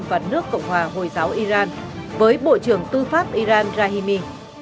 và nước cộng hòa hồi giáo iran với bộ trưởng tư pháp iran rahimi